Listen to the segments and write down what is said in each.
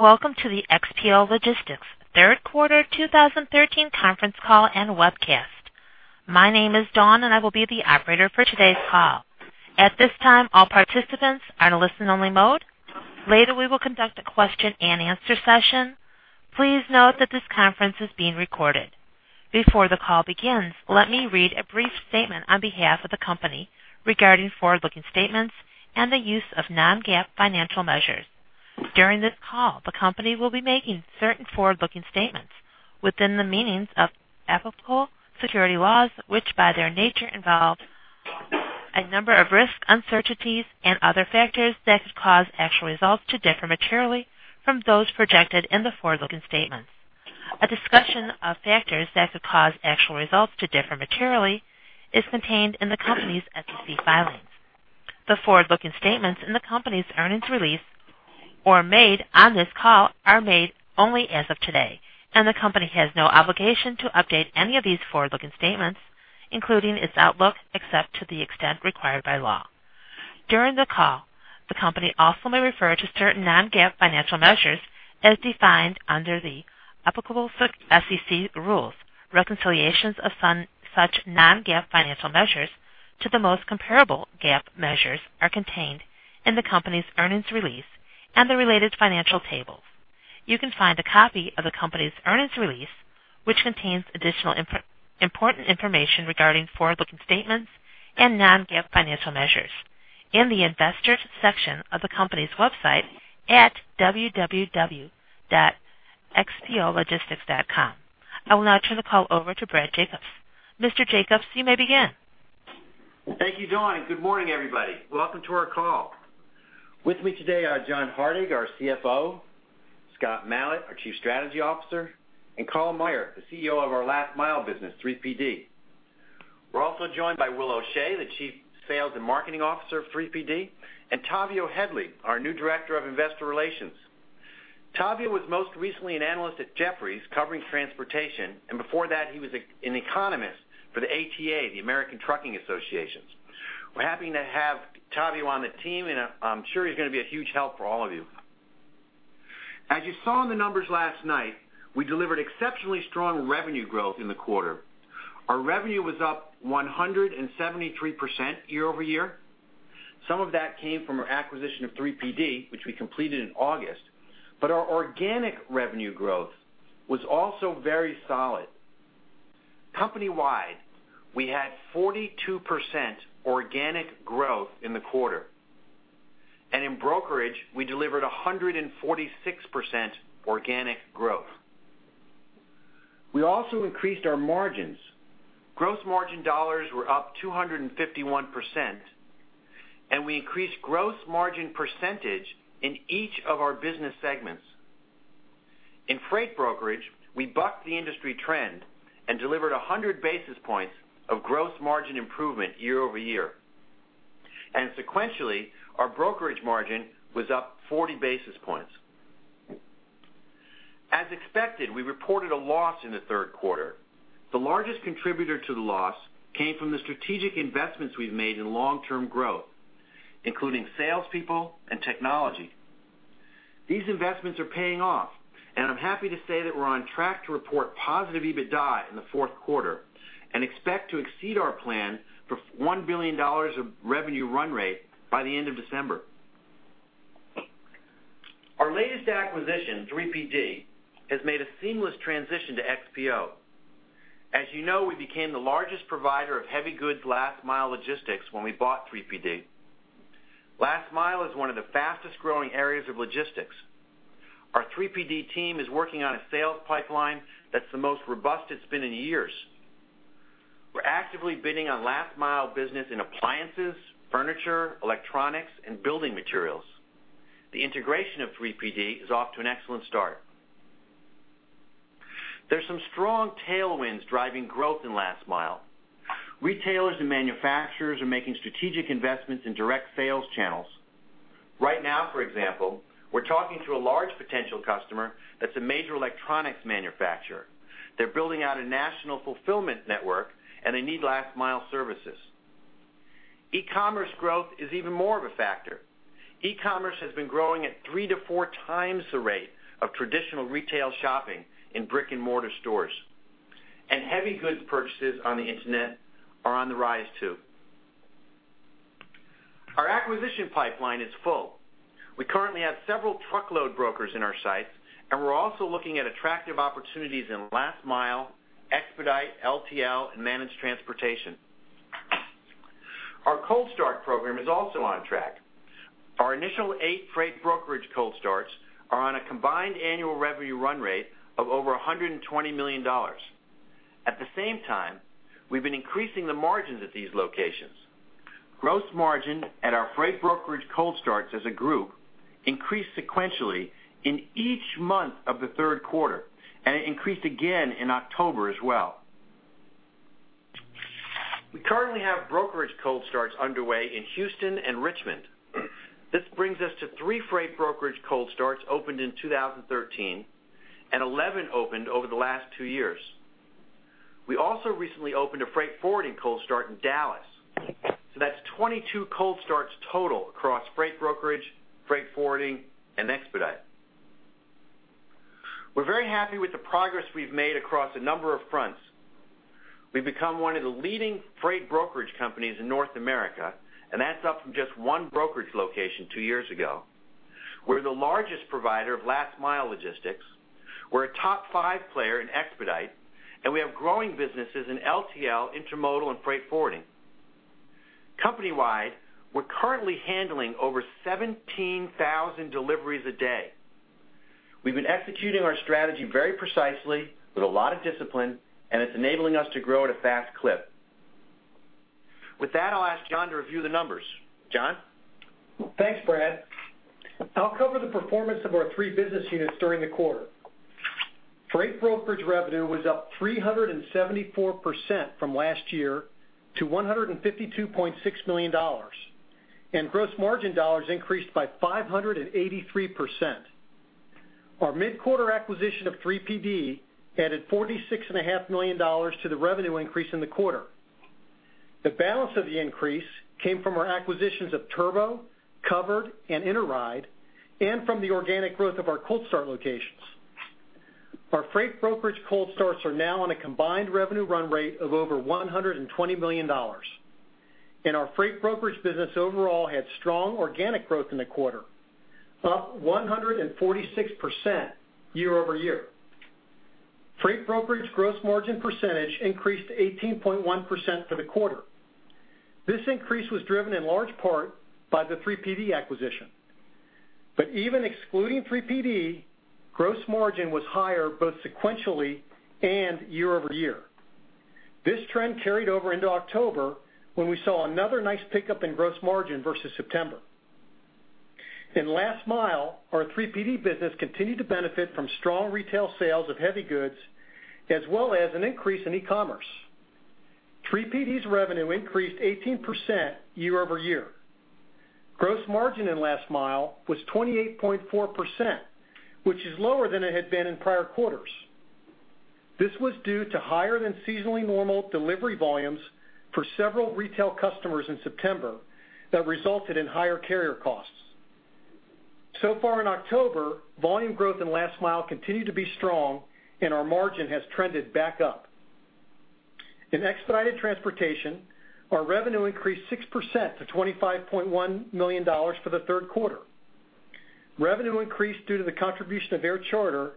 Welcome to the XPO Logistics third quarter 2013 conference call and webcast. My name is Dawn, and I will be the operator for today's call. At this time, all participants are in a listen-only mode. Later, we will conduct a question-and-answer session. Please note that this conference is being recorded. Before the call begins, let me read a brief statement on behalf of the company regarding forward-looking statements and the use of non-GAAP financial measures. During this call, the company will be making certain forward-looking statements within the meanings of applicable security laws, which, by their nature, involve a number of risks, uncertainties, and other factors that could cause actual results to differ materially from those projected in the forward-looking statements. A discussion of factors that could cause actual results to differ materially is contained in the company's SEC filings. The forward-looking statements in the company's earnings release or made on this call are made only as of today, and the company has no obligation to update any of these forward-looking statements, including its outlook, except to the extent required by law. During the call, the company also may refer to certain non-GAAP financial measures as defined under the applicable SEC rules. Reconciliations of such non-GAAP financial measures to the most comparable GAAP measures are contained in the company's earnings release and the related financial tables. You can find a copy of the company's earnings release, which contains additional important information regarding forward-looking statements and non-GAAP financial measures in the Investors section of the company's website at www.xpologistics.com. I will now turn the call over to Brad Jacobs. Mr. Jacobs, you may begin. Thank you, Dawn, and good morning, everybody. Welcome to our call. With me today are John Hardig, our CFO, Scott Malat, our Chief Strategy Officer, and Karl Meyer, the CEO of our Last Mile business, 3PD. We're also joined by Will O'Shea, the Chief Sales and Marketing Officer of 3PD, and Tavio Headley, our new Director of Investor Relations. Tavio was most recently an analyst at Jefferies, covering transportation, and before that, he was an economist for the ATA, the American Trucking Associations. We're happy to have Tavio on the team, and I'm sure he's going to be a huge help for all of you. As you saw in the numbers last night, we delivered exceptionally strong revenue growth in the quarter. Our revenue was up 173% year-over-year. Some of that came from our acquisition of 3PD, which we completed in August, but our organic revenue growth was also very solid. Company-wide, we had 42% organic growth in the quarter, and in brokerage, we delivered 146% organic growth. We also increased our margins. Gross margin dollars were up 251%, and we increased gross margin percentage in each of our business segments. In freight brokerage, we bucked the industry trend and delivered 100 basis points of gross margin improvement year-over-year. And sequentially, our brokerage margin was up 40 basis points. As expected, we reported a loss in the third quarter. The largest contributor to the loss came from the strategic investments we've made in long-term growth, including salespeople and technology. These investments are paying off, and I'm happy to say that we're on track to report positive EBITDA in the fourth quarter and expect to exceed our plan for $1 billion of revenue run rate by the end of December. Our latest acquisition, 3PD, has made a seamless transition to XPO. As you know, we became the largest provider of heavy goods Last Mile logistics when we bought 3PD. Last Mile is one of the fastest-growing areas of logistics. Our 3PD team is working on a sales pipeline that's the most robust it's been in years. We're actively bidding on Last Mile business in appliances, furniture, electronics, and building materials. The integration of 3PD is off to an excellent start. There's some strong tailwinds driving growth in Last Mile. Retailers and manufacturers are making strategic investments in direct sales channels. Right now, for example, we're talking to a large potential customer that's a major electronics manufacturer. They're building out a national fulfillment network, and they need Last Mile services. E-commerce growth is even more of a factor. E-commerce has been growing at 3x-4x the rate of traditional retail shopping in brick-and-mortar stores, and heavy goods purchases on the internet are on the rise, too. Our acquisition pipeline is full. We currently have several truckload brokers in our sites, and we're also looking at attractive opportunities in Last Mile, expedite LTL, and managed transportation. Our cold start program is also on track. Our initial eight freight brokerage cold starts are on a combined annual revenue run rate of over $120 million. At the same time, we've been increasing the margins at these locations. Gross margin at our freight brokerage cold starts as a group increased sequentially in each month of the third quarter, and it increased again in October as well. We currently have brokerage cold starts underway in Houston and Richmond. This brings us to three freight brokerage cold starts opened in 2013 and 11 opened over the last two years. We also recently opened a freight forwarding cold start in Dallas. So that's 22 cold starts total across freight brokerage, freight forwarding, and expedite. We're very happy with the progress we've made across a number of fronts. We've become one of the leading freight brokerage companies in North America, and that's up from just one brokerage location two years ago. We're the largest provider of last mile logistics. We're a top five player in expedite, and we have growing businesses in LTL, intermodal, and freight forwarding. Company-wide, we're currently handling over 17,000 deliveries a day. We've been executing our strategy very precisely with a lot of discipline, and it's enabling us to grow at a fast clip. With that, I'll ask John to review the numbers. John? Thanks, Brad. I'll cover the performance of our three business units during the quarter. Freight brokerage revenue was up 374% from last year to $152.6 million, and gross margin dollars increased by 583%. Our mid-quarter acquisition of 3PD added $46.5 million to the revenue increase in the quarter. The balance of the increase came from our acquisitions of Turbo, Covered, and Interide, and from the organic growth of our cold start locations. Our freight brokerage cold starts are now on a combined revenue run rate of over $120 million, and our freight brokerage business overall had strong organic growth in the quarter, up 146% year-over-year. Freight brokerage gross margin percentage increased to 18.1% for the quarter. This increase was driven in large part by the 3PD acquisition, but even excluding 3PD, gross margin was higher, both sequentially and year-over-year. This trend carried over into October, when we saw another nice pickup in gross margin versus September. In last mile, our 3PD business continued to benefit from strong retail sales of heavy goods, as well as an increase in e-commerce. 3PD's revenue increased 18% year-over-year. Gross margin in last mile was 28.4%, which is lower than it had been in prior quarters. This was due to higher than seasonally normal delivery volumes for several retail customers in September that resulted in higher carrier costs. So far in October, volume growth in last mile continued to be strong, and our margin has trended back up. In expedited transportation, our revenue increased 6% to $25.1 million for the third quarter. Revenue increased due to the contribution of Air Charter,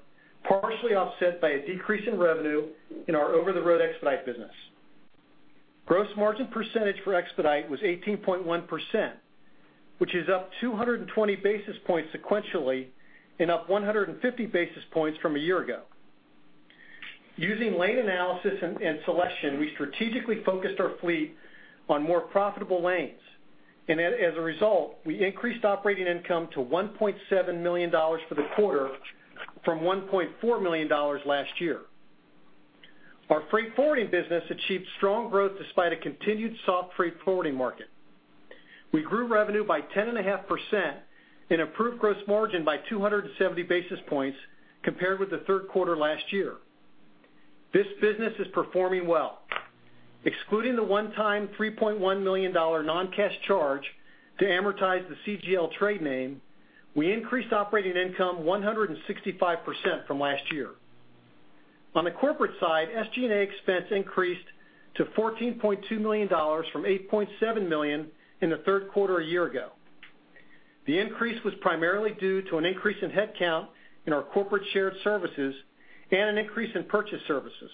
partially offset by a decrease in revenue in our over-the-road expedite business. Gross margin percentage for expedite was 18.1%, which is up 220 basis points sequentially and up 150 basis points from a year ago. Using lane analysis and selection, we strategically focused our fleet on more profitable lanes, and as a result, we increased operating income to $1.7 million for the quarter from $1.4 million last year. Our freight forwarding business achieved strong growth despite a continued soft freight forwarding market. We grew revenue by 10.5% and improved gross margin by 270 basis points compared with the third quarter last year. This business is performing well. Excluding the one-time $3.1 million non-cash charge to amortize the CGL trade name, we increased operating income 165% from last year. On the corporate side, SG&A expense increased to $14.2 million from $8.7 million in the third quarter a year ago. The increase was primarily due to an increase in headcount in our corporate shared services and an increase in purchase services.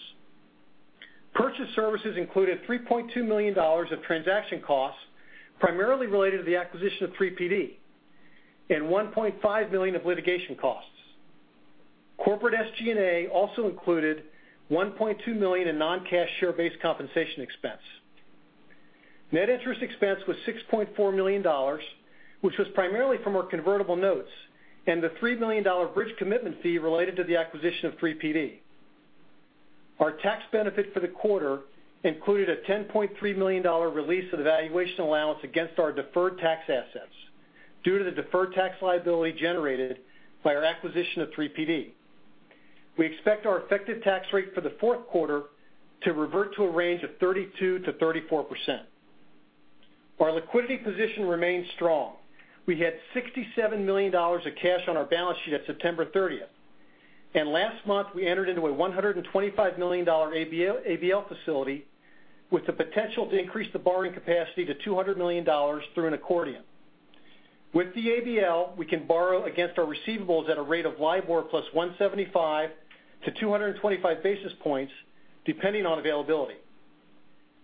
Purchased services included $3.2 million of transaction costs, primarily related to the acquisition of 3PD, and $1.5 million of litigation costs. Corporate SG&A also included $1.2 million in non-cash share-based compensation expense. Net interest expense was $6.4 million, which was primarily from our convertible notes and the $3 million bridge commitment fee related to the acquisition of 3PD. Our tax benefit for the quarter included a $10.3 million release of the valuation allowance against our deferred tax assets due to the deferred tax liability generated by our acquisition of 3PD. We expect our effective tax rate for the fourth quarter to revert to a range of 32%-34%. Our liquidity position remains strong. We had $67 million of cash on our balance sheet at September 30, and last month, we entered into a $125 million ABL facility, with the potential to increase the borrowing capacity to $200 million through an accordion. With the ABL, we can borrow against our receivables at a rate of LIBOR plus 175 to 225 basis points, depending on availability.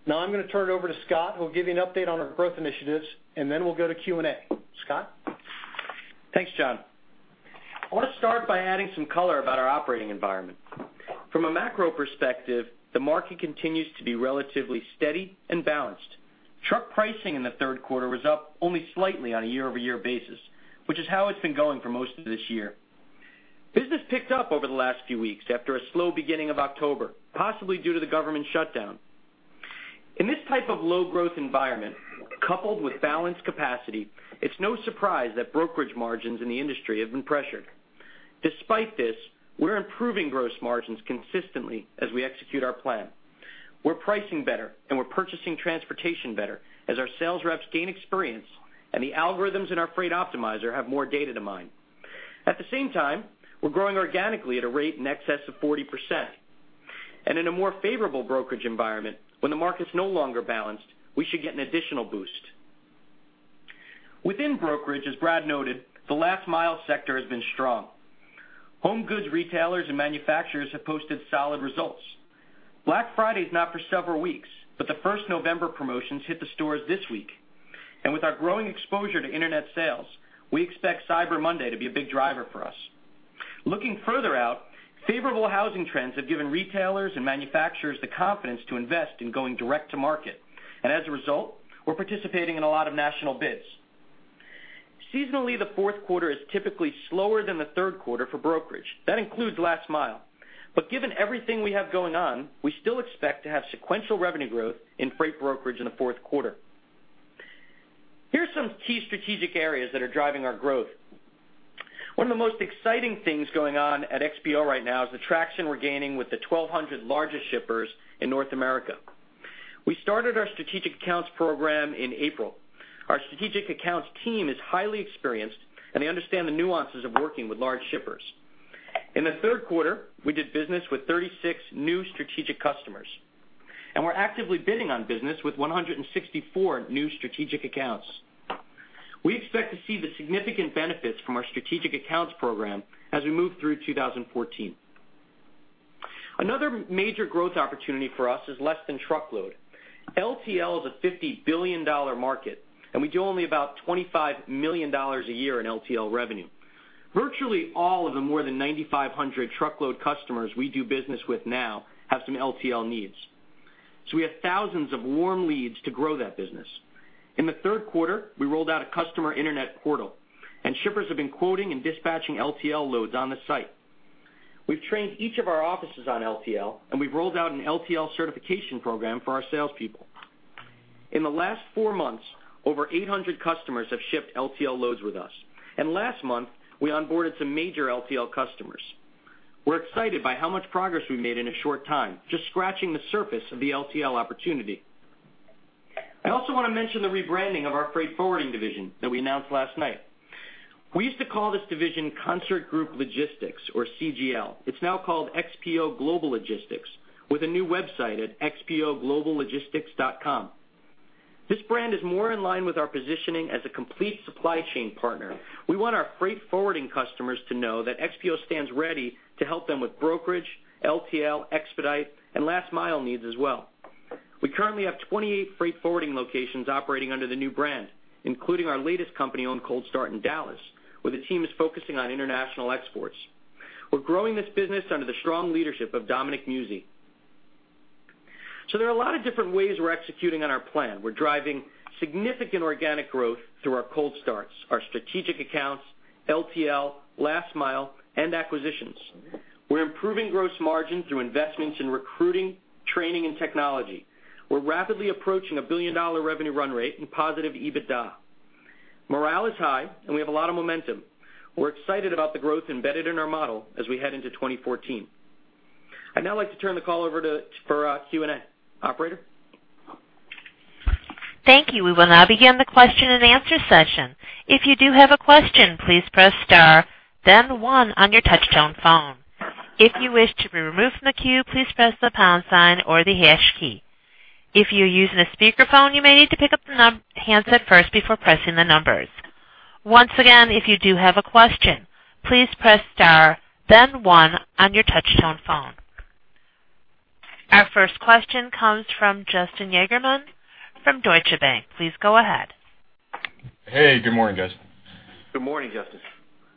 Now I'm going to turn it over to Scott, who will give you an update on our growth initiatives, and then we'll go to Q&A. Scott? Thanks, John. I want to start by adding some color about our operating environment. From a macro perspective, the market continues to be relatively steady and balanced. Truck pricing in the third quarter was up only slightly on a year-over-year basis, which is how it's been going for most of this year. Business picked up over the last few weeks after a slow beginning of October, possibly due to the government shutdown. ...In this type of low growth environment, coupled with balanced capacity, it's no surprise that brokerage margins in the industry have been pressured. Despite this, we're improving gross margins consistently as we execute our plan. We're pricing better, and we're purchasing transportation better as our sales reps gain experience and the algorithms in our Freight Optimizer have more data to mine. At the same time, we're growing organically at a rate in excess of 40%. In a more favorable brokerage environment, when the market's no longer balanced, we should get an additional boost. Within brokerage, as Brad noted, the Last Mile sector has been strong. Home goods retailers and manufacturers have posted solid results. Black Friday is not for several weeks, but the first November promotions hit the stores this week, and with our growing exposure to internet sales, we expect Cyber Monday to be a big driver for us. Looking further out, favorable housing trends have given retailers and manufacturers the confidence to invest in going direct to market. As a result, we're participating in a lot of national bids. Seasonally, the fourth quarter is typically slower than the third quarter for brokerage. That includes last mile. Given everything we have going on, we still expect to have sequential revenue growth in freight brokerage in the fourth quarter. Here's some key strategic areas that are driving our growth. One of the most exciting things going on at XPO right now is the traction we're gaining with the 1,200 largest shippers in North America. We started our Strategic Accounts program in April. Our strategic accounts team is highly experienced, and they understand the nuances of working with large shippers. In the third quarter, we did business with 36 new strategic customers, and we're actively bidding on business with 164 new strategic accounts. We expect to see the significant benefits from our strategic accounts program as we move through 2014. Another major growth opportunity for us is less-than-truckload. LTL is a $50 billion market, and we do only about $25 million a year in LTL revenue. Virtually all of the more than 9,500 truckload customers we do business with now have some LTL needs, so we have thousands of warm leads to grow that business. In the third quarter, we rolled out a customer internet portal, and shippers have been quoting and dispatching LTL loads on the site. We've trained each of our offices on LTL, and we've rolled out an LTL certification program for our salespeople. In the last four months, over 800 customers have shipped LTL loads with us, and last month, we onboarded some major LTL customers. We're excited by how much progress we made in a short time, just scratching the surface of the LTL opportunity. I also want to mention the rebranding of our freight forwarding division that we announced last night. We used to call this division Concert Group Logistics, or CGL. It's now called XPO Global Logistics, with a new website at xpogloballogistics.com. This brand is more in line with our positioning as a complete supply chain partner. We want our freight forwarding customers to know that XPO stands ready to help them with brokerage, LTL, expedite, and last mile needs as well. We currently have 28 freight forwarding locations operating under the new brand, including our latest company-owned cold start in Dallas, where the team is focusing on international exports. We're growing this business under the strong leadership of Dominick Muzzi. So there are a lot of different ways we're executing on our plan. We're driving significant organic growth through our cold starts, our strategic accounts, LTL, last mile, and acquisitions. We're improving gross margin through investments in recruiting, training, and technology. We're rapidly approaching a billion-dollar revenue run rate and positive EBITDA. Morale is high, and we have a lot of momentum. We're excited about the growth embedded in our model as we head into 2014. I'd now like to turn the call over for Q&A. Operator? Thank you. We will now begin the question-and-answer session. If you do have a question, please press star, then one on your touch-tone phone. If you wish to be removed from the 10-Q, please press the pound sign or the hash key. If you're using a speakerphone, you may need to pick up the handset first before pressing the numbers. Once again, if you do have a question, please press star, then one on your touch-tone phone. Our first question comes from Justin Yagerman from Deutsche Bank. Please go ahead. Hey, good morning, guys. Good morning, Justin.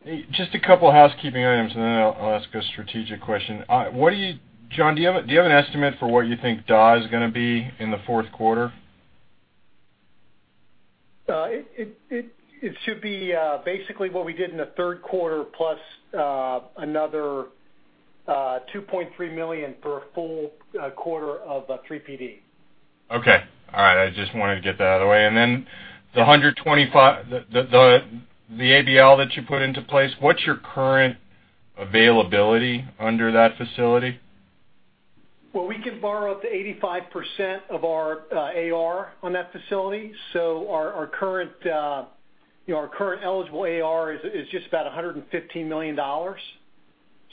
Hey, just a couple of housekeeping items, and then I'll ask a strategic question. What do you, John, do you have an estimate for what you think D&A is going to be in the fourth quarter? It should be basically what we did in the third quarter, plus another $2.3 million for a full quarter of 3PD. Okay. All right. I just wanted to get that out of the way. And then the 125, the ABL that you put into place, what's your current availability under that facility? Well, we can borrow up to 85% of our AR on that facility. So our current eligible AR is just about $115 million.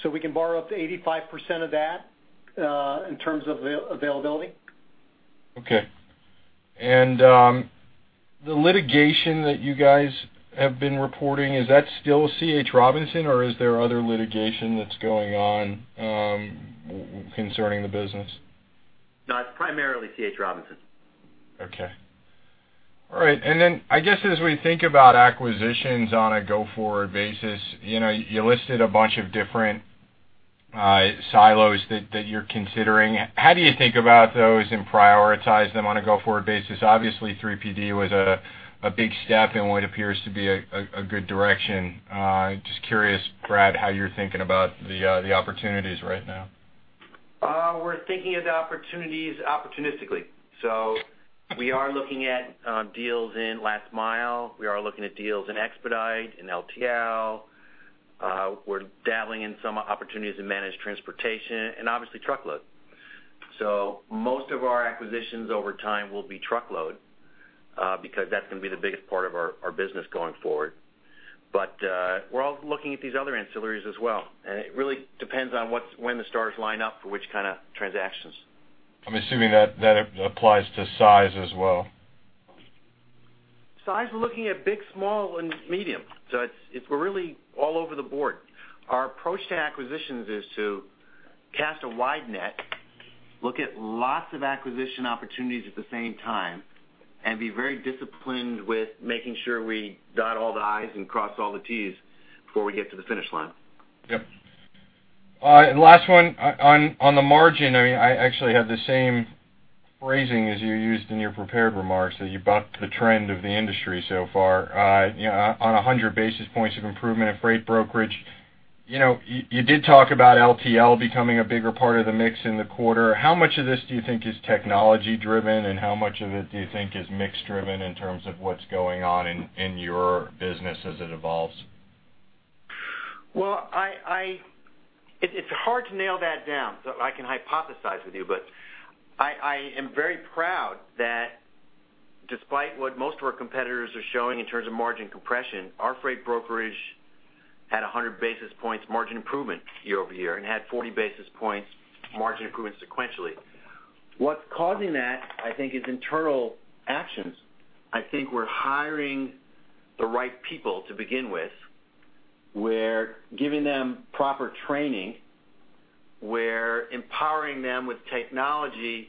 So we can borrow up to 85% of that, in terms of availability. Okay. And, the litigation that you guys have been reporting, is that still C.H. Robinson, or is there other litigation that's going on, concerning the business? No, it's primarily C.H. Robinson. Okay. All right. And then I guess as we think about acquisitions on a go-forward basis, you know, you listed a bunch of different silos that you're considering. How do you think about those and prioritize them on a go-forward basis? Obviously, 3PD was a big step in what appears to be a good direction. Just curious, Brad, how you're thinking about the opportunities right now. ... We're thinking of the opportunities opportunistically. So we are looking at deals in last mile. We are looking at deals in expedite, in LTL. We're dabbling in some opportunities in managed transportation and obviously, truckload. So most of our acquisitions over time will be truckload, because that's going to be the biggest part of our business going forward. But we're also looking at these other ancillaries as well, and it really depends on when the stars line up for which kind of transactions. I'm assuming that applies to size as well? Size, we're looking at big, small, and medium. So it's, we're really all over the board. Our approach to acquisitions is to cast a wide net, look at lots of acquisition opportunities at the same time, and be very disciplined with making sure we dot all the I's and cross all the T's before we get to the finish line. Yep. And last one. On the margin, I actually have the same phrasing as you used in your prepared remarks, that you bucked the trend of the industry so far, you know, on 100 basis points of improvement in freight brokerage. You know, you did talk about LTL becoming a bigger part of the mix in the quarter. How much of this do you think is technology-driven, and how much of it do you think is mix-driven in terms of what's going on in your business as it evolves? Well, it's hard to nail that down, but I can hypothesize with you. But I am very proud that despite what most of our competitors are showing in terms of margin compression, our freight brokerage had 100 basis points margin improvement year-over-year and had 40 basis points margin improvement sequentially. What's causing that, I think, is internal actions. I think we're hiring the right people to begin with. We're giving them proper training. We're empowering them with technology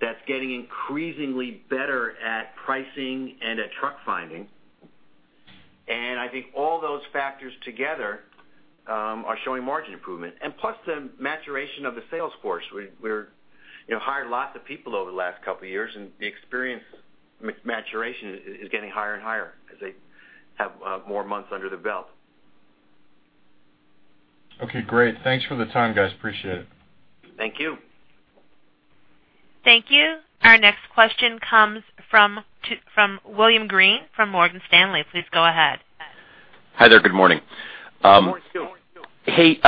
that's getting increasingly better at pricing and at truck finding. And I think all those factors together are showing margin improvement. And plus, the maturation of the sales force. We, you know, hired lots of people over the last couple of years, and the experience maturation is getting higher and higher as they have more months under their belt. Okay, great. Thanks for the time, guys. Appreciate it. Thank you. Thank you. Our next question comes from William Greene from Morgan Stanley. Please go ahead. Hi there. Good morning. Good morning to you. Hey,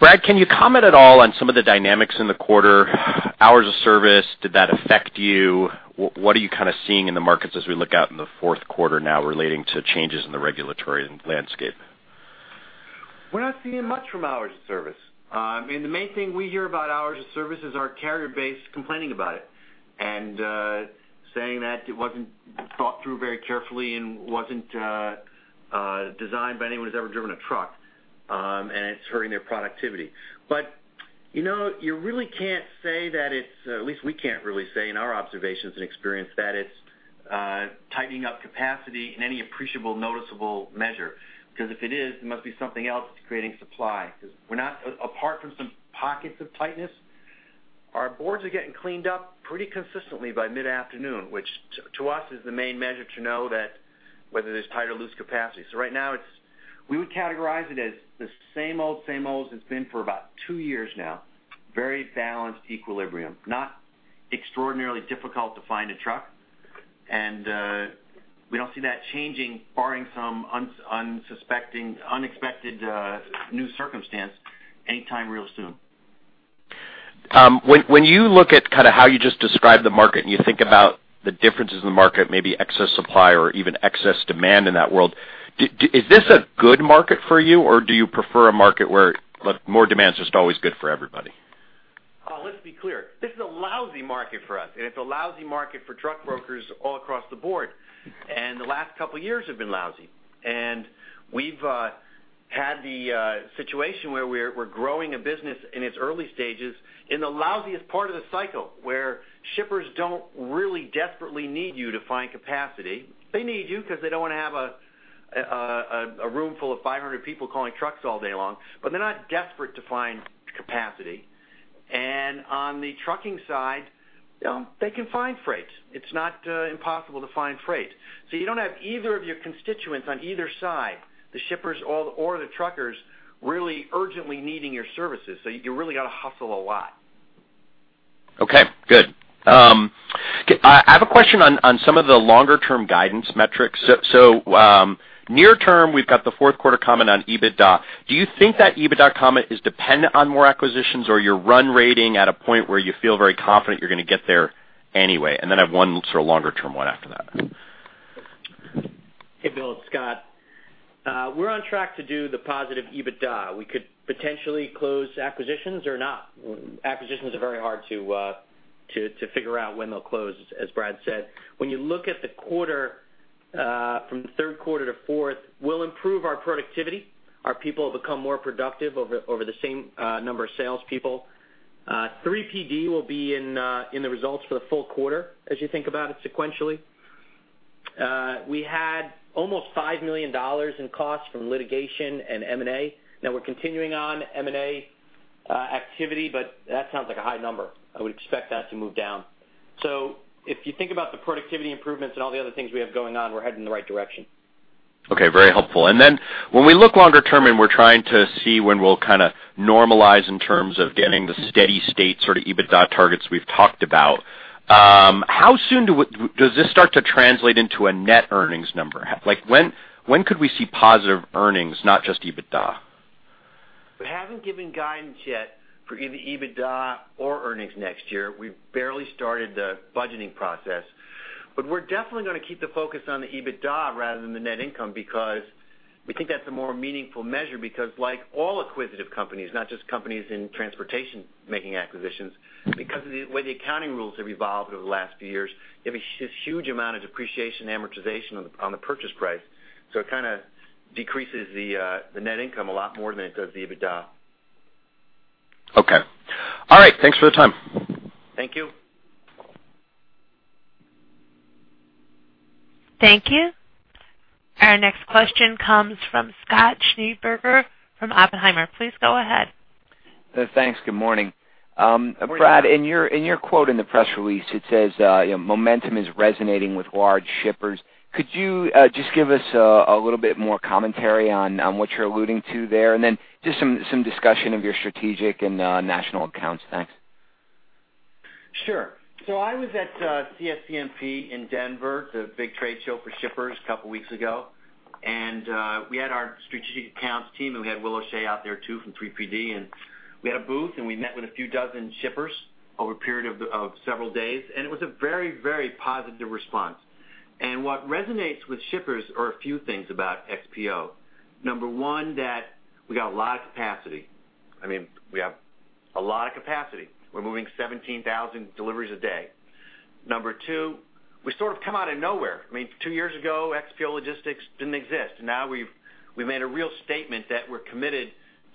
Brad, can you comment at all on some of the dynamics in the quarter, hours of service, did that affect you? What are you kind of seeing in the markets as we look out in the fourth quarter now relating to changes in the regulatory landscape? We're not seeing much from hours of service. I mean, the main thing we hear about hours of service is our carrier base complaining about it, and saying that it wasn't thought through very carefully and wasn't designed by anyone who's ever driven a truck, and it's hurting their productivity. But, you know, you really can't say that it's, at least we can't really say in our observations and experience, that it's tightening up capacity in any appreciable, noticeable measure. Because if it is, it must be something else that's creating supply. Because we're not, apart from some pockets of tightness, our boards are getting cleaned up pretty consistently by mid-afternoon, which to us is the main measure to know that whether there's tight or loose capacity. So right now, it's we would categorize it as the same old, same old it's been for about two years now. Very balanced equilibrium, not extraordinarily difficult to find a truck, and we don't see that changing, barring some unexpected new circumstance anytime real soon. When you look at kind of how you just described the market, and you think about the differences in the market, maybe excess supply or even excess demand in that world, is this a good market for you, or do you prefer a market where more demand is just always good for everybody? Let's be clear. This is a lousy market for us, and it's a lousy market for truck brokers all across the board. And the last couple of years have been lousy. And we've had the situation where we're growing a business in its early stages, in the lousiest part of the cycle, where shippers don't really desperately need you to find capacity. They need you because they don't want to have a room full of 500 people calling trucks all day long, but they're not desperate to find capacity. And on the trucking side, you know, they can find freight. It's not impossible to find freight. So you don't have either of your constituents on either side, the shippers or the truckers, really urgently needing your services. So you really got to hustle a lot. Okay, good. I have a question on some of the longer-term guidance metrics. So, near term, we've got the fourth quarter comment on EBITDA. Do you think that EBITDA comment is dependent on more acquisitions, or you're run rate at a point where you feel very confident you're going to get there anyway? And then I have one sort of longer-term one after that. Hey, Bill, it's Scott. We're on track to do the positive EBITDA. We could potentially close acquisitions or not. Acquisitions are very hard to figure out when they'll close, as Brad said. When you look at the quarter from the third quarter to fourth, we'll improve our productivity. Our people have become more productive over the same number of salespeople. 3PD will be in the results for the full quarter, as you think about it sequentially. We had almost $5 million in costs from litigation and M&A. Now we're continuing on M&A activity, but that sounds like a high number. I would expect that to move down. So if you think about the productivity improvements and all the other things we have going on, we're heading in the right direction.... Okay, very helpful. And then when we look longer term, and we're trying to see when we'll kind of normalize in terms of getting the steady state sort of EBITDA targets we've talked about, how soon does this start to translate into a net earnings number? Like, when, when could we see positive earnings, not just EBITDA? We haven't given guidance yet for either EBITDA or earnings next year. We've barely started the budgeting process, but we're definitely going to keep the focus on the EBITDA rather than the net income, because we think that's a more meaningful measure, because like all acquisitive companies, not just companies in transportation, making acquisitions, because of the way the accounting rules have evolved over the last few years, you have a huge amount of depreciation, amortization on the purchase price. So it kind of decreases the net income a lot more than it does the EBITDA. Okay. All right. Thanks for the time. Thank you. Thank you. Our next question comes from Scott Schneeberger from Oppenheimer. Please go ahead. Thanks. Good morning. Good morning. Brad, in your quote in the press release, it says, you know, "Momentum is resonating with large shippers." Could you just give us a little bit more commentary on what you're alluding to there? And then just some discussion of your strategic and national accounts. Thanks. Sure. So I was at CSCMP in Denver, the big trade show for shippers, a couple weeks ago, and we had our strategic accounts team, and we had Will O'Shea out there, too, from 3PD, and we had a booth, and we met with a few dozen shippers over a period of several days, and it was a very, very positive response. And what resonates with shippers are a few things about XPO. Number one, that we got a lot of capacity. I mean, we have a lot of capacity. We're moving 17,000 deliveries a day. Number two, we sort of come out of nowhere. I mean, two years ago, XPO Logistics didn't exist. Now we've made a real statement that we're committed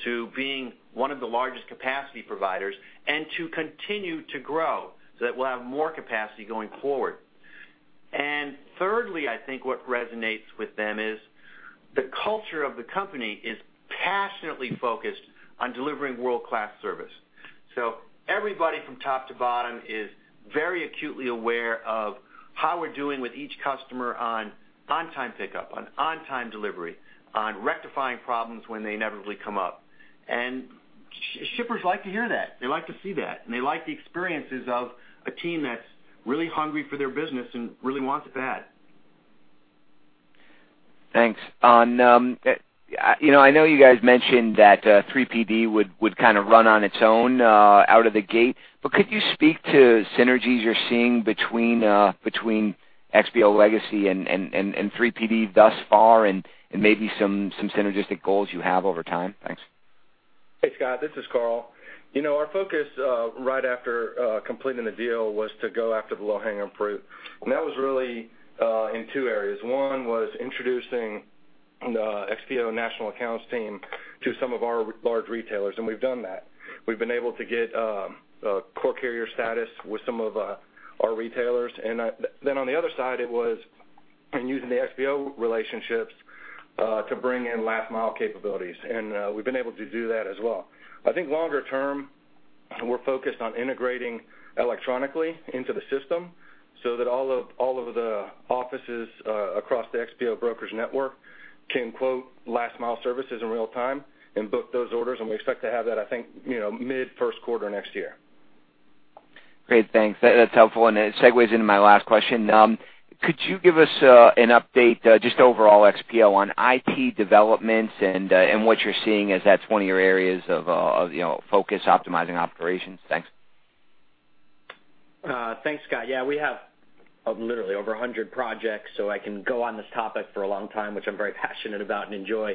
to being one of the largest capacity providers and to continue to grow so that we'll have more capacity going forward. And thirdly, I think what resonates with them is the culture of the company is passionately focused on delivering world-class service. So everybody from top to bottom is very acutely aware of how we're doing with each customer on on-time pickup, on on-time delivery, on rectifying problems when they inevitably come up. And shippers like to hear that. They like to see that, and they like the experiences of a team that's really hungry for their business and really wants it bad. Thanks. On you know, I know you guys mentioned that 3PD would kind of run on its own out of the gate, but could you speak to synergies you're seeing between XPO legacy and 3PD thus far, and maybe some synergistic goals you have over time? Thanks. Hey, Scott, this is Karl. You know, our focus right after completing the deal was to go after the low-hanging fruit, and that was really in two areas. One was introducing the XPO national accounts team to some of our large retailers, and we've done that. We've been able to get core carrier status with some of our retailers. Then on the other side, it was in using the XPO relationships to bring in last-mile capabilities, and we've been able to do that as well. I think longer term, we're focused on integrating electronically into the system so that all of the offices across the XPO brokers network can quote last-mile services in real time and book those orders, and we expect to have that, I think, you know, mid-first quarter next year. Great, thanks. That's helpful. It segues into my last question. Could you give us an update, just overall XPO, on IT developments and what you're seeing as that's one of your areas of you know focus optimizing operations? Thanks. Thanks, Scott. Yeah, we have literally over 100 projects, so I can go on this topic for a long time, which I'm very passionate about and enjoy.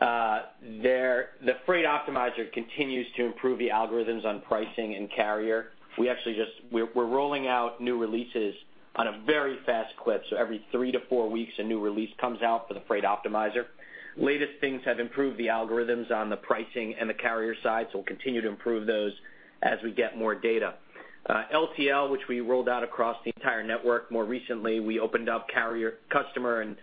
The Freight Optimizer continues to improve the algorithms on pricing and carrier. We actually just, we're rolling out new releases on a very fast clip. So every 3-4 weeks, a new release comes out for the Freight Optimizer. Latest things have improved the algorithms on the pricing and the carrier side, so we'll continue to improve those as we get more data. LTL, which we rolled out across the entire network more recently, we opened up carrier, customer, and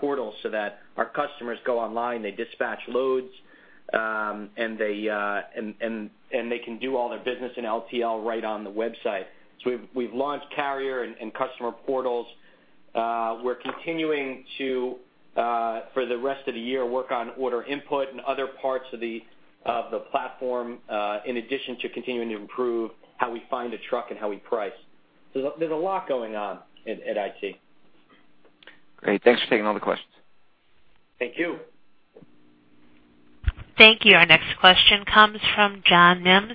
portals so that our customers go online, they dispatch loads, and they can do all their business in LTL right on the website. So we've launched carrier and customer portals. We're continuing to, for the rest of the year, work on order input and other parts of the platform, in addition to continuing to improve how we find a truck and how we price. So there's a lot going on at IT. Great. Thanks for taking all the questions. Thank you. Thank you. Our next question comes from John Mims,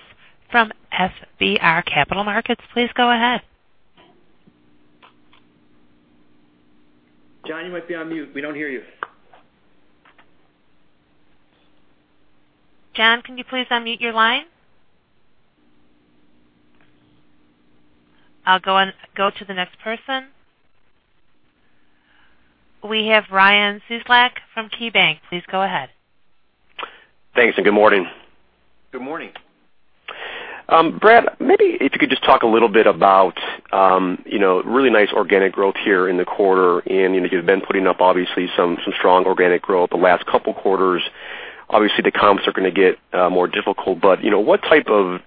from FBR Capital Markets. Please go ahead. John, you might be on mute. We don't hear you. John, can you please unmute your line? I'll go on to the next person. We have Ryan Cieslak from KeyBanc. Please go ahead. Thanks, and good morning. Good morning. Brad, maybe if you could just talk a little bit about, you know, really nice organic growth here in the quarter, and, you know, you've been putting up obviously some strong organic growth the last couple quarters. Obviously, the comps are going to get more difficult, but, you know, what type of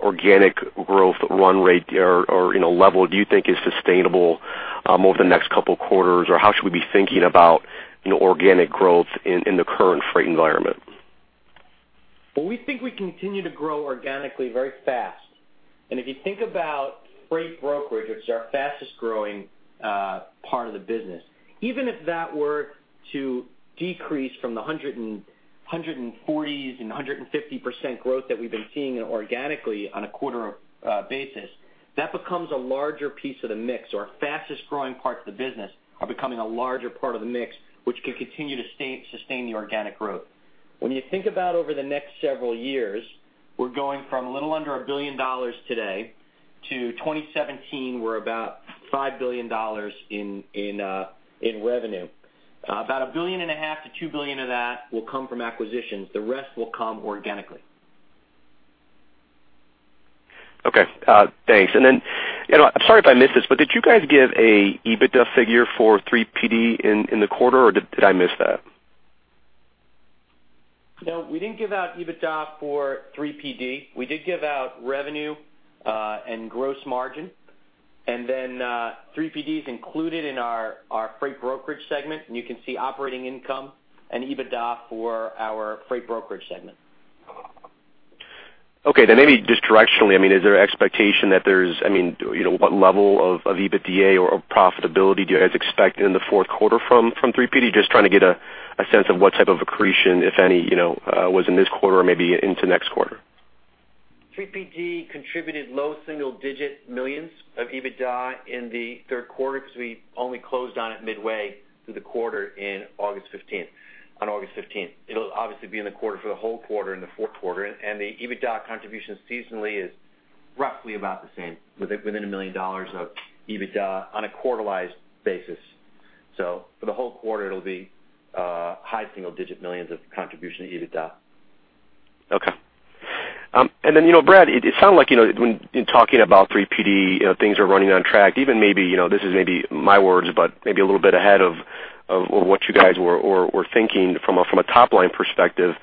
organic growth run rate or, you know, level do you think is sustainable over the next couple quarters? Or how should we be thinking about, you know, organic growth in the current freight environment? Well, we think we continue to grow organically, very fast. If you think about freight brokerage, which is our fastest growing part of the business, even if that were to decrease from the 140 and 150% growth that we've been seeing organically on a quarter basis, that becomes a larger piece of the mix. Our fastest growing parts of the business are becoming a larger part of the mix, which can continue to sustain the organic growth. When you think about over the next several years, we're going from a little under $1 billion today to 2017, we're about $5 billion in revenue. About $1.5 billion-$2 billion of that will come from acquisitions. The rest will come organically. Okay, thanks. And then, I'm sorry if I missed this, but did you guys give an EBITDA figure for 3PD in the quarter, or did I miss that? No, we didn't give out EBITDA for 3PD. We did give out revenue, and gross margin, and then, 3PD is included in our freight brokerage segment, and you can see operating income and EBITDA for our freight brokerage segment. Okay. Then maybe just directionally, I mean, is there an expectation that there's... I mean, you know, what level of EBITDA or profitability do you guys expect in the fourth quarter from 3PD? Just trying to get a sense of what type of accretion, if any, you know, was in this quarter or maybe into next quarter. 3PD contributed low single-digit millions of EBITDA in the third quarter because we only closed on it midway through the quarter in August 15th, on August 15th. It'll obviously be in the quarter for the whole quarter, in the fourth quarter, and the EBITDA contribution seasonally is roughly about the same, within $1 million of EBITDA on a quarterly basis. So for the whole quarter, it'll be high single-digit millions of contribution to EBITDA. Okay. And then, you know, Brad, it sounded like, you know, when talking about 3PD, you know, things are running on track. Even maybe, you know, this is maybe my words, but maybe a little bit ahead of what you guys were thinking from a top-line perspective.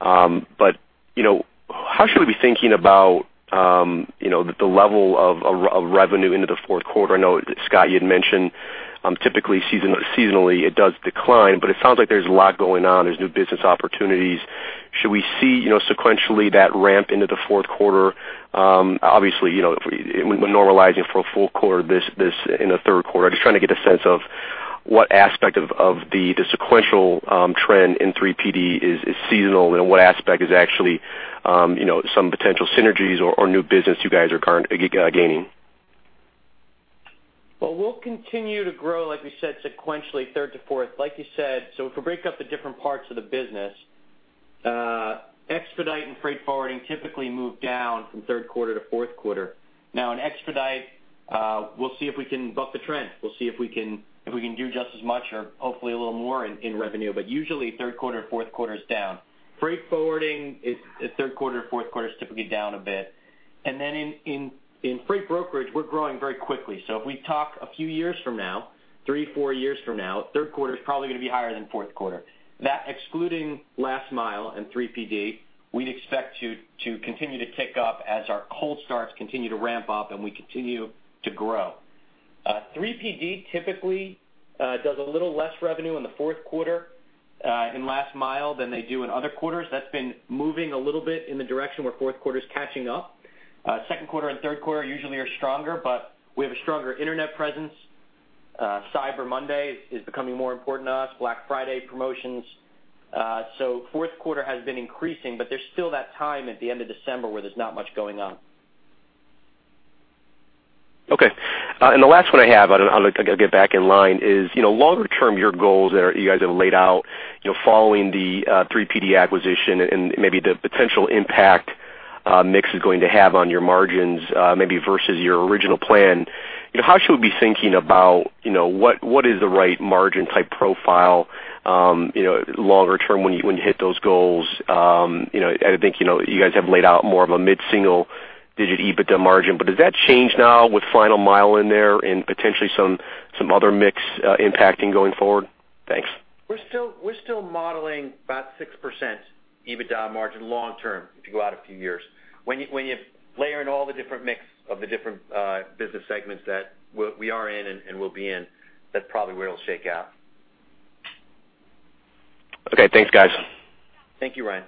But, you know, how should we be thinking about, you know, the level of revenue into the fourth quarter? I know, Scott, you had mentioned, typically, seasonally it does decline, but it sounds like there's a lot going on. There's new business opportunities. Should we see, you know, sequentially that ramp into the fourth quarter? Obviously, you know, when normalizing for a full quarter, this in the third quarter. I'm just trying to get a sense of what aspect of the sequential trend in 3PD is seasonal, and what aspect is actually, you know, some potential synergies or new business you guys are currently gaining. Well, we'll continue to grow, like we said, sequentially, third to fourth, like you said. So if we break up the different parts of the business, expedite and freight forwarding typically move down from third quarter to fourth quarter. Now, in expedite, we'll see if we can buck the trend. We'll see if we can, if we can do just as much or hopefully a little more in, in revenue, but usually third quarter, fourth quarter is down. Freight forwarding is, is third quarter, fourth quarter is typically down a bit. And then in, in, in freight brokerage, we're growing very quickly. So if we talk a few years from now, three, four years from now, third quarter is probably going to be higher than fourth quarter. That, excluding last mile and 3PD, we'd expect to continue to tick up as our cold starts continue to ramp up and we continue to grow. 3PD typically does a little less revenue in the fourth quarter in last mile than they do in other quarters. That's been moving a little bit in the direction where fourth quarter is catching up. Second quarter and third quarter usually are stronger, but we have a stronger internet presence. Cyber Monday is becoming more important to us, Black Friday promotions. So fourth quarter has been increasing, but there's still that time at the end of December where there's not much going on. Okay, and the last one I have, I'll get back in line, is, you know, longer term, your goals that you guys have laid out, you know, following the 3PD acquisition and maybe the potential impact mix is going to have on your margins, maybe versus your original plan. You know, how should we be thinking about, you know, what, what is the right margin type profile, you know, longer term when you, when you hit those goals? You know, I think, you know, you guys have laid out more of a mid-single digit EBITDA margin, but does that change now with final mile in there and potentially some, some other mix impacting going forward? Thanks. We're still modeling about 6% EBITDA margin long term, if you go out a few years. When you layer in all the different mix of the different business segments that we are in and will be in, that's probably where it'll shake out. Okay, thanks, guys. Thank you, Ryan.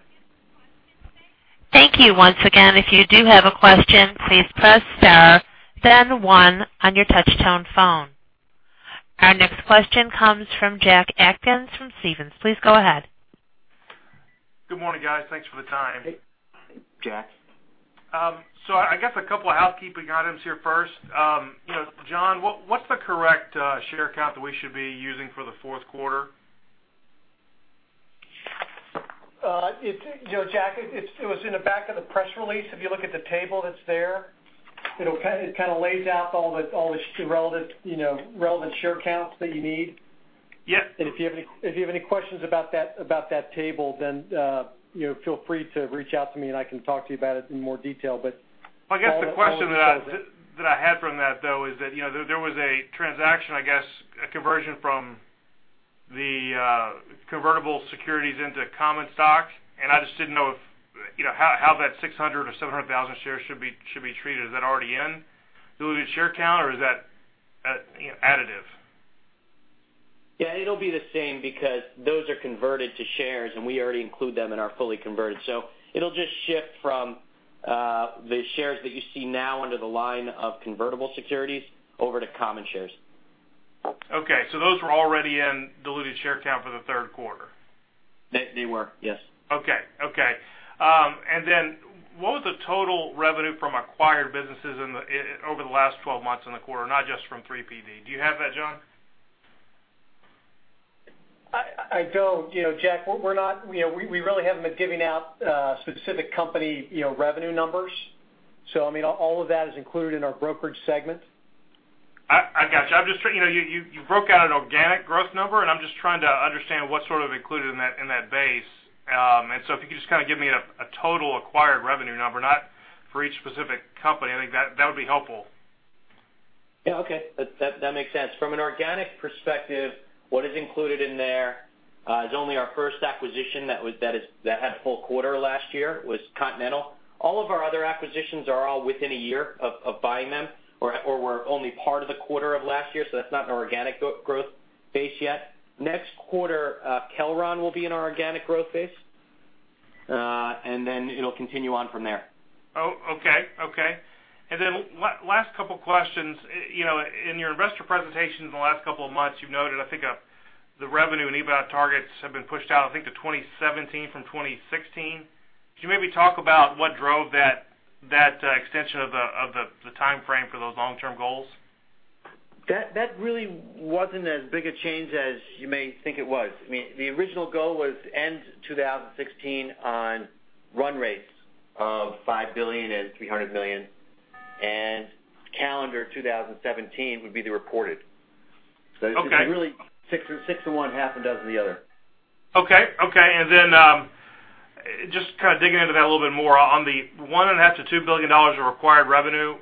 Thank you. Once again, if you do have a question, please press star, then one on your touchtone phone. Our next question comes from Jack Atkins from Stephens. Please go ahead. Good morning, guys. Thanks for the time. Hey, Jack. I guess a couple of housekeeping items here first. You know, John, what's the correct share count that we should be using for the fourth quarter? You know, Jack, it was in the back of the press release. If you look at the table that's there, it'll kind of, it kind of lays out all the, all the relevant, you know, relevant share counts that you need. Yep. If you have any, if you have any questions about that, about that table, then, you know, feel free to reach out to me, and I can talk to you about it in more detail, but- I guess the question that I had from that, though, is that, you know, there was a transaction, I guess, a conversion from the convertible securities into common stock, and I just didn't know if, you know, how that 600,000 or 700,000 shares should be treated. Is that already in the share count, or is that, you know, additive? Yeah, it'll be the same because those are converted to shares, and we already include them in our fully converted. So it'll just shift from the shares that you see now under the line of convertible securities over to common shares. Okay, so those were already in diluted share count for the third quarter? They were, yes. Okay. Okay. And then what was the total revenue from acquired businesses in the, over the last 12 months in the quarter, not just from 3PD? Do you have that, John? I don't. You know, Jack, we're not, you know, we really haven't been giving out specific company, you know, revenue numbers. So I mean, all of that is included in our brokerage segment. I got you. I'm just, you know, you broke out an organic growth number, and I'm just trying to understand what's sort of included in that base. And so if you could just kind of give me a total acquired revenue number, not for each specific company, I think that would be helpful. Yeah. Okay, that makes sense. From an organic perspective, what is included in there is only our first acquisition that is that had a full quarter last year, was Continental. All of our other acquisitions are all within a year of buying them or were only part of the quarter of last year, so that's not an organic growth base yet. Next quarter, Kelron will be in our organic growth base, and then it'll continue on from there. Oh, okay. Okay. And then last couple questions. You know, in your investor presentation in the last couple of months, you've noted, I think, the revenue and EBITDA targets have been pushed out, I think, to 2017 from 2016. Could you maybe talk about what drove that, that extension of the time frame for those long-term goals? That really wasn't as big a change as you may think it was. I mean, the original goal was to end 2016 on run rates of $5.3 billion, and calendar 2017 would be the reported. Okay. So it's really six of one, half a dozen of the other. Okay. Then, just kind of digging into that a little bit more. On the $1.5 billion-$2 billion of required revenue,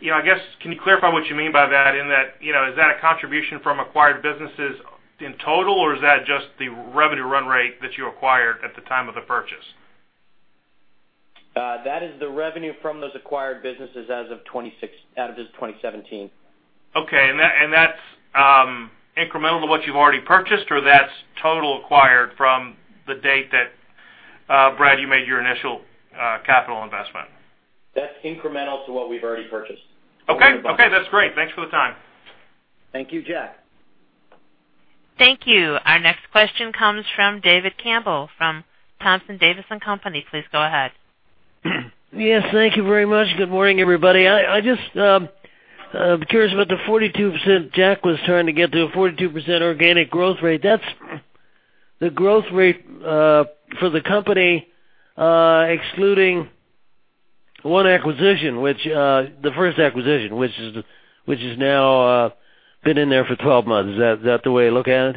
you know, I guess, can you clarify what you mean by that, in that, you know, is that a contribution from acquired businesses in total, or is that just the revenue run rate that you acquired at the time of the purchase? That is the revenue from those acquired businesses as of 2017. Okay. And that, and that's, incremental to what you've already purchased, or that's total acquired from the date that, Brad, you made your initial, capital investment? That's incremental to what we've already purchased. Okay. Okay, that's great. Thanks for the time. Thank you, Jack. Thank you. Our next question comes from David Campbell, from Thompson Davis & Co. Please go ahead. Yes, thank you very much. Good morning, everybody. I just curious about the 42% Jack was trying to get to, the 42% organic growth rate. That's the growth rate for the company, excluding one acquisition, which the first acquisition, which has now been in there for 12 months. Is that the way you look at it?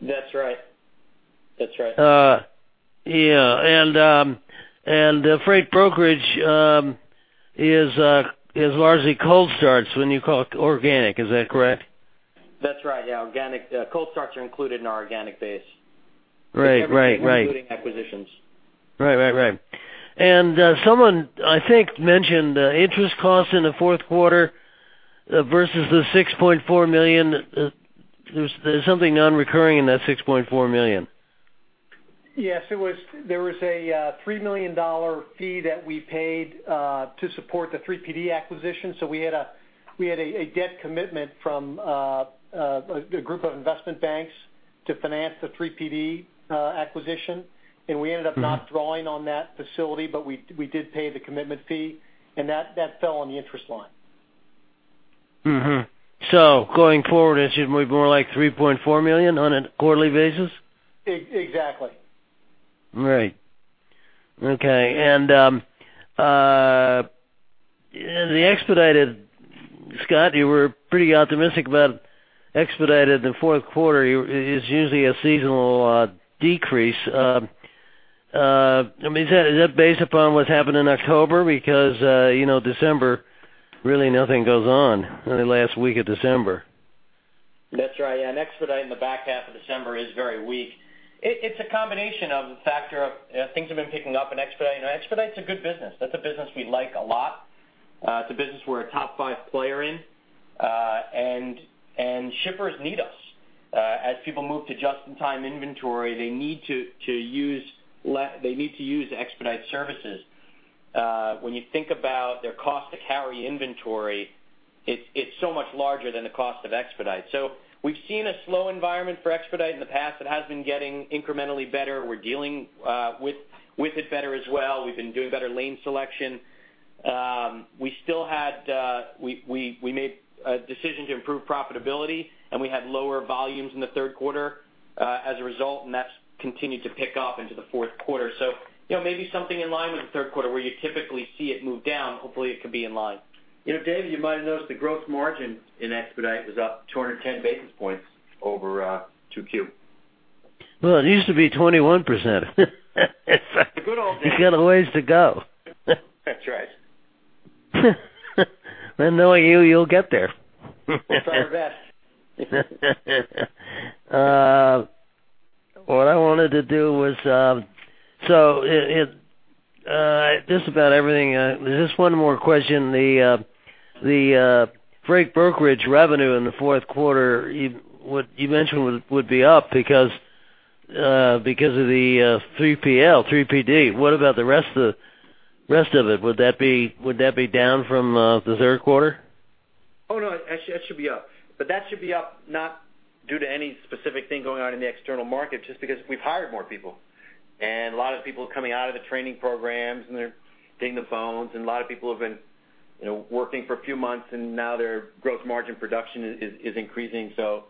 That's right. That's right. Yeah, and the freight brokerage is largely cold starts when you call it organic. Is that correct? That's right. Yeah. Organic, cold starts are included in our organic base. Right. Right, right. Including acquisitions. Right, right, right. And someone, I think, mentioned interest costs in the fourth quarter versus the $6.4 million. There's something non-recurring in that $6.4 million. Yes, it was, there was a $3 million fee that we paid to support the 3PD acquisition. So we had a, we had a debt commitment from a group of investment banks to finance the 3PD acquisition. Mm-hmm. And we ended up not drawing on that facility, but we did pay the commitment fee, and that fell on the interest line. Mm-hmm. So going forward, it should be more like $3.4 million on a quarterly basis? Ex-exactly. Right. Okay. And, in the expedited, Scott, you were pretty optimistic about expedited in the fourth quarter. It's usually a seasonal decrease. I mean, is that, is that based upon what's happened in October? Because, you know, December, really nothing goes on in the last week of December. That's right. And expedite in the back half of December is very weak. It's a combination of the factor of things have been picking up in expedite, and expedite is a good business. That's a business we like a lot. It's a business we're a top five player in, and shippers need us. As people move to just-in-time inventory, they need to use expedite services. When you think about their cost to carry inventory, it's so much larger than the cost of expedite. So we've seen a slow environment for expedite in the past. It has been getting incrementally better. We're dealing with it better as well. We've been doing better lane selection. We still had, we made a decision to improve profitability, and we had lower volumes in the third quarter, as a result, and that's continued to pick up into the fourth quarter. So you know, maybe something in line with the third quarter, where you typically see it move down, hopefully it could be in line. You know, David, you might have noticed the gross margin in expedite was up 210 basis points over Q2. Well, it used to be 21%. The good old days. You've got a ways to go. That's right. Knowing you, you'll get there. We'll try our best. Just one more question. The freight brokerage revenue in the fourth quarter, what you mentioned would be up because of the 3PL, 3PD. What about the rest of it? Would that be down from the third quarter? Oh, no, actually, that should be up. But that should be up, not due to any specific thing going on in the external market, just because we've hired more people. And a lot of people are coming out of the training programs, and they're getting the phones, and a lot of people have been, you know, working for a few months, and now their Gross Margin production is increasing. So,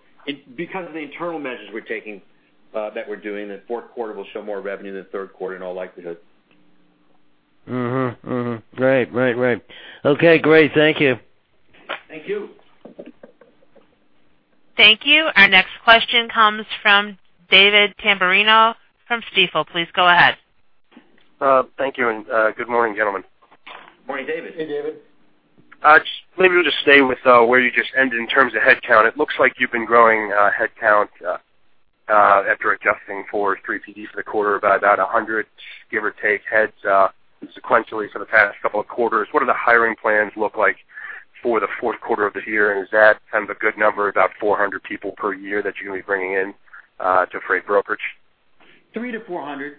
because of the internal measures we're taking, that we're doing, the fourth quarter will show more revenue than the third quarter, in all likelihood. Mm-hmm, mm-hmm. Great. Right, right. Okay, great. Thank you. Thank you. Thank you. Our next question comes from David Tamberrino from Stifel. Please go ahead. Thank you, and good morning, gentlemen. Morning, David. Hey, David. Just maybe we'll just stay with where you just ended in terms of headcount. It looks like you've been growing headcount after adjusting for 3PD for the quarter by about 100, give or take, heads sequentially for the past couple of quarters. What are the hiring plans look like for the fourth quarter of the year? And is that kind of a good number, about 400 people per year, that you're going to be bringing in to freight brokerage? 300-400,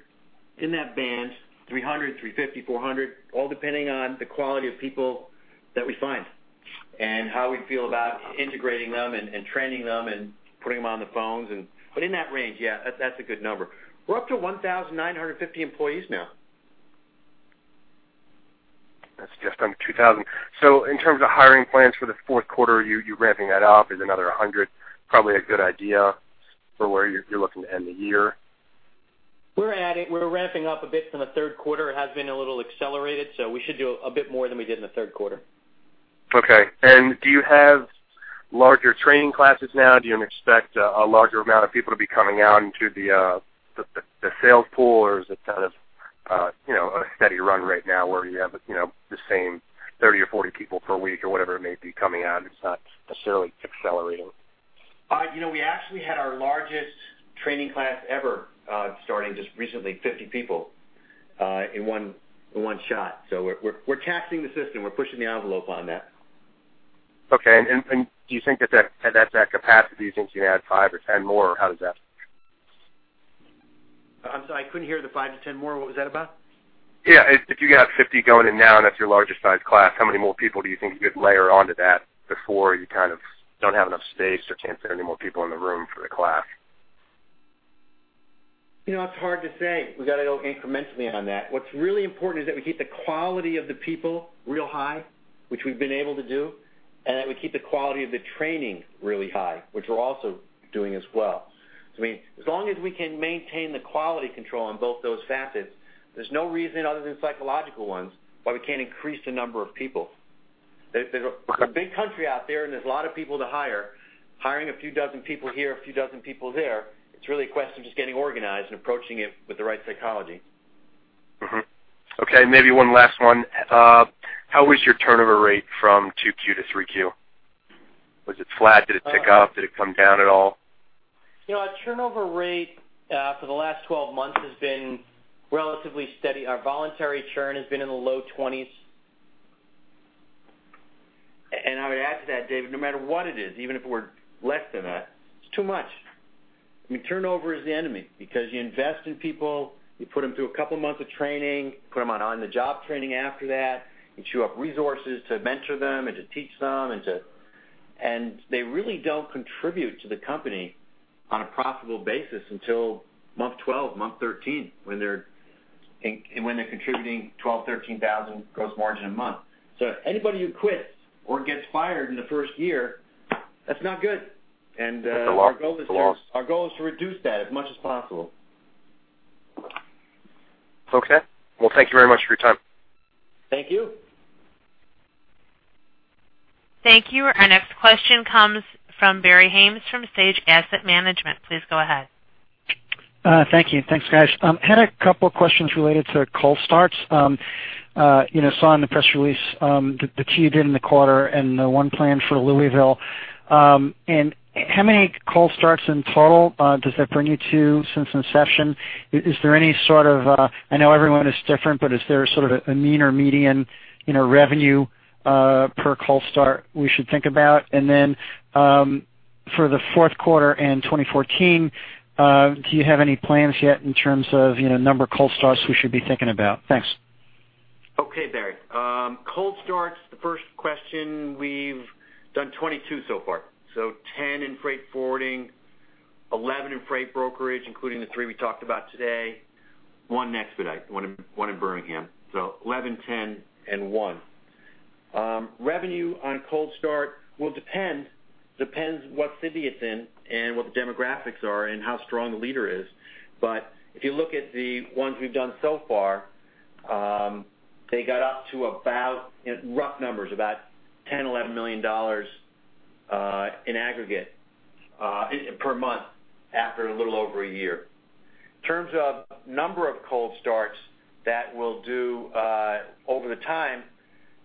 in that band, 300, 350, 400, all depending on the quality of people that we find and how we feel about integrating them and training them and putting them on the phones. But in that range, yeah, that's, that's a good number. We're up to 1,950 employees now. That's just under 2,000. So in terms of hiring plans for the fourth quarter, are you, you ramping that up? Is another 100, probably a good idea for where you're, you're looking to end the year? We're ramping up a bit from the third quarter. It has been a little accelerated, so we should do a bit more than we did in the third quarter. Okay. Do you have larger training classes now? Do you expect a larger amount of people to be coming on to the sales pool, or is it kind of, you know, a steady run right now, where you have, you know, the same 30 or 40 people per week or whatever it may be coming on? It's not necessarily accelerating? You know, we actually had our largest training class ever, starting just recently, 50 people, in one shot. So we're testing the system. We're pushing the envelope on that. Okay. And do you think that that's at capacity? Do you think you can add five or 10 more, or how does that...? I'm sorry, I couldn't hear the 5-10 more. What was that about? Yeah, if, if you have 50 going in now, and that's your largest size class, how many more people do you think you could layer on to that before you kind of don't have enough space or can't fit any more people in the room for the class? You know, it's hard to say. We got to go incrementally on that. What's really important is that we keep the quality of the people real high, which we've been able to do, and that we keep the quality of the training really high, which we're also doing as well. So I mean, as long as we can maintain the quality control on both those facets, there's no reason other than psychological ones, why we can't increase the number of people. Okay. There's a big country out there, and there's a lot of people to hire. Hiring a few dozen people here, a few dozen people there, it's really a question of just getting organized and approaching it with the right psychology. Mm-hmm. Okay, maybe one last one. How was your turnover rate from Q2 to Q3? Was it flat? Did it tick up? Did it come down at all? You know, our turnover rate for the last 12 months has been relatively steady. Our voluntary churn has been in the low 20s. And I would add to that, David, no matter what it is, even if it were less than that, it's too much. I mean, turnover is the enemy because you invest in people, you put them through a couple of months of training, put them on on-the-job training after that, you chew up resources to mentor them and to teach them and to... And they really don't contribute to the company on a profitable basis until month 12, month 13, when they're contributing $12,000-$13,000 gross margin a month. So anybody who quits or gets fired in the first year, that's not good. That's a lot. Our goal is to- It's a lot. Our goal is to reduce that as much as possible. Okay. Well, thank you very much for your time. Thank you. Thank you. Our next question comes from Barry Haimes, from Sage Asset Management. Please go ahead. Thank you. Thanks, guys. Had a couple of questions related to cold starts. You know, saw in the press release that you did in the quarter and the one planned for Louisville. And how many cold starts in total does that bring you to, since inception? Is there any sort of, I know everyone is different, but is there sort of a mean or median, you know, revenue per cold start we should think about? And then, for the fourth quarter and 2014, do you have any plans yet in terms of, you know, number of cold starts we should be thinking about? Thanks. Okay, Barry. Cold starts, the first question, we've done 22 so far. So 10 in freight forwarding, 11 in freight brokerage, including the three we talked about today, one in expedite, one in Birmingham. So 11, 10, and one. Revenue on Cold start will depend, depends what city it's in and what the demographics are and how strong the leader is. But if you look at the ones we've done so far, they got up to about, rough numbers, about $10 million-$11 million in aggregate per month, after a little over a year. In terms of number of Cold starts that we'll do over the time,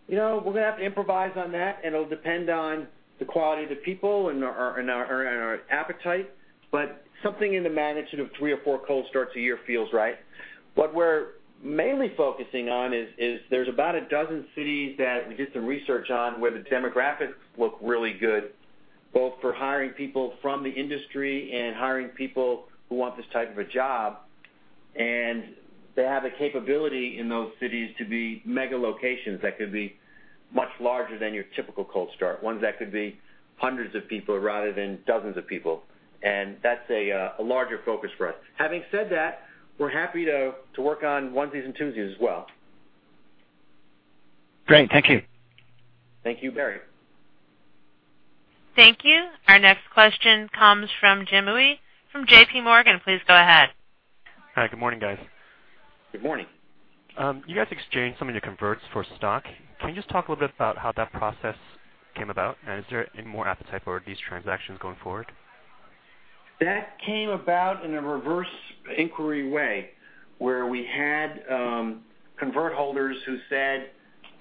you know, we're going to have to improvise on that, and it'll depend on the quality of the people and our appetite. Something in the magnitude of three or four cold starts a year feels right. What we're mainly focusing on is there's about a dozen cities that we did some research on, where the demographics look really good, both for hiring people from the industry and hiring people who want this type of a job. They have the capability in those cities to be mega locations that could be much larger than your typical cold start, ones that could be hundreds of people rather than dozens of people. That's a larger focus for us. Having said that, we're happy to work on onesies and twosies as well. Great. Thank you. Thank you, Barry. Thank you. Our next question comes from Jim Lee from JPMorgan. Please go ahead. Hi, good morning, guys. Good morning. You guys exchanged some of your converts for stock. Can you just talk a little bit about how that process came about? And is there any more appetite for these transactions going forward? That came about in a reverse inquiry way, where we had, convert holders who said,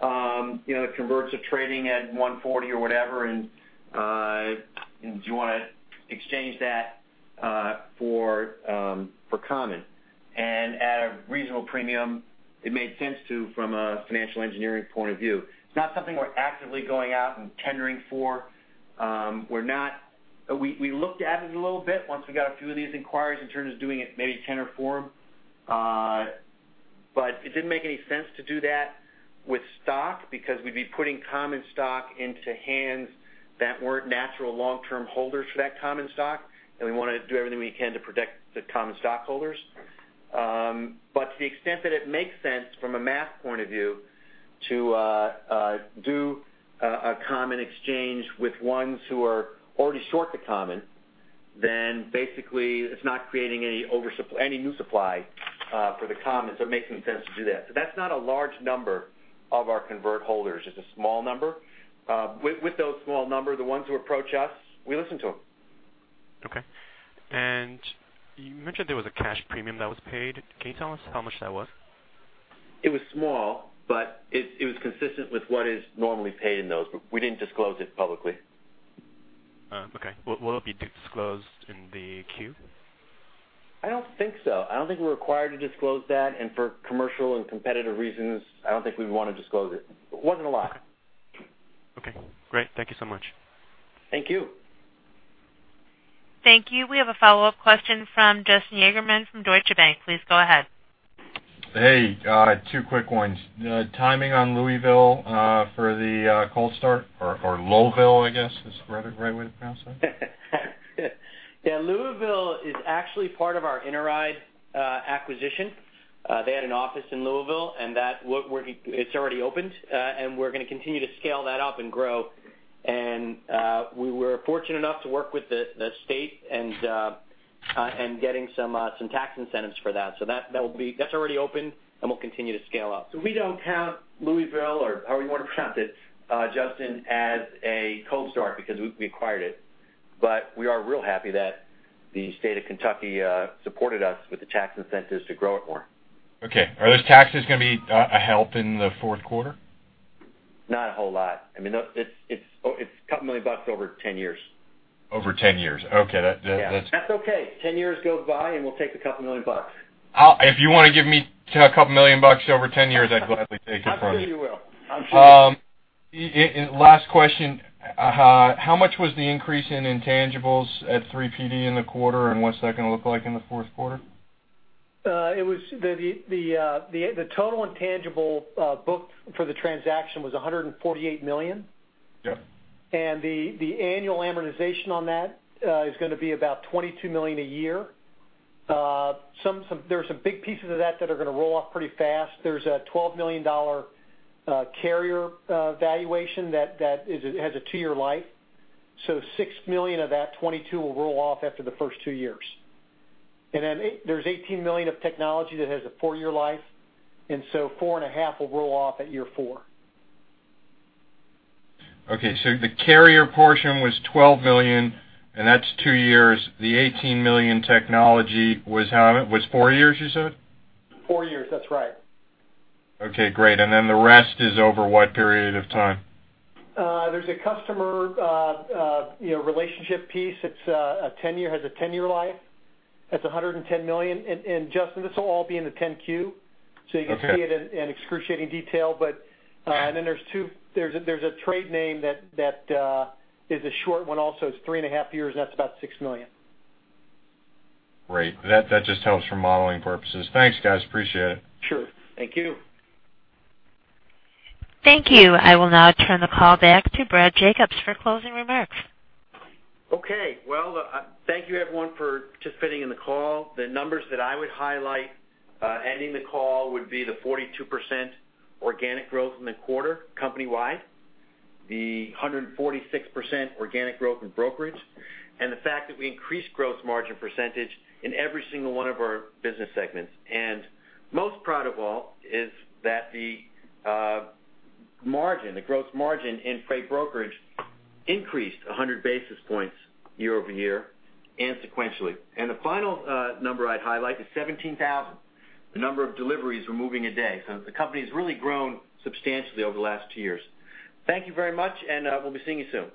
you know, the converts are trading at $140 or whatever, and, and do you want to exchange that, for, for common? At a reasonable premium, it made sense to, from a financial engineering point of view. It's not something we're actively going out and tendering for. We're not -- we, we looked at it a little bit once we got a few of these inquiries in terms of doing it, maybe tender form. But it didn't make any sense to do that with stock, because we'd be putting common stock into hands that weren't natural long-term holders for that common stock, and we want to do everything we can to protect the common stockholders. But to the extent that it makes sense from a math point of view, to do a common exchange with ones who are already short the common, then basically, it's not creating any oversupply, any new supply, for the common, so it makes some sense to do that. So that's not a large number of our convert holders. It's a small number. With those small number, the ones who approach us, we listen to them. Okay. You mentioned there was a cash premium that was paid. Can you tell us how much that was? It was small, but it was consistent with what is normally paid in those. But we didn't disclose it publicly. Okay. Will, will it be disclosed in the queue? I don't think so. I don't think we're required to disclose that, and for commercial and competitive reasons, I don't think we'd want to disclose it. It wasn't a lot. Okay. Great. Thank you so much. Thank you. Thank you. We have a follow-up question from Justin Yagerman from Deutsche Bank. Please go ahead. Hey, two quick ones. Timing on Louisville for the Cold Start, or Louisville, I guess, is the right way to pronounce it? Yeah, Louisville is actually part of our Interide acquisition. They had an office in Louisville, and it's already opened, and we're going to continue to scale that up and grow. We were fortunate enough to work with the state and getting some tax incentives for that. So that's already open, and we'll continue to scale up. So we don't count Louisville or however you want to pronounce it, Justin, as a cold start because we acquired it. But we are real happy that the state of Kentucky supported us with the tax incentives to grow it more. Okay. Are those taxes going to be a help in the fourth quarter? Not a whole lot. I mean, it's a couple million bucks over 10 years. Over 10 years. Okay, that, that's- That's okay. 10 years goes by, and we'll take the $2 million bucks. I'll, if you want to give me $2 million over 10 years, I'd gladly take it from you. I'm sure you will. I'm sure. Last question. How much was the increase in intangibles at 3PD in the quarter, and what's that going to look like in the fourth quarter? It was the total intangible book for the transaction was $148 million. Yep. The annual amortization on that is going to be about $22 million a year. Some—there are some big pieces of that that are going to roll off pretty fast. There's a $12 million carrier valuation that has a two-year life. So $6 million of that 22 will roll off after the first two years. And then there's $18 million of technology that has a four-year life, and so 4.5 will roll off at year four. Okay, so the carrier portion was $12 million, and that's two years. The $18 million technology was how? Was four years, you said? Four years, that's right. Okay, great. And then the rest is over what period of time? There's a customer, you know, relationship piece. It's a 10-year, has a 10-year life. That's $110 million. And, and Justin, this will all be in the 10-Q, so you can see it- Okay. - in excruciating detail. But, and then there's two—there's a trade name that is a short one also. It's 3.5 years, and that's about $6 million. Great. That, that just helps for modeling purposes. Thanks, guys. Appreciate it. Sure. Thank you. Thank you. I will now turn the call back to Brad Jacobs for closing remarks. Okay, well, thank you, everyone, for participating in the call. The numbers that I would highlight ending the call would be the 42% organic growth in the quarter company-wide, the 146% organic growth in brokerage, and the fact that we increased gross margin percentage in every single one of our business segments. And most proud of all is that the margin, the gross margin in freight brokerage increased 100 basis points year over year and sequentially. And the final number I'd highlight is 17,000, the number of deliveries we're moving a day. So the company has really grown substantially over the last two years. Thank you very much, and we'll be seeing you soon.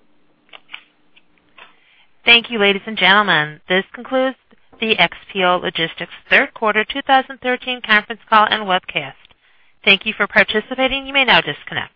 Thank you, ladies and gentlemen. This concludes the XPO Logistics third quarter, 2013 conference call and webcast. Thank you for participating. You may now disconnect.